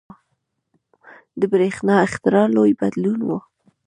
• د برېښنا اختراع لوی بدلون و.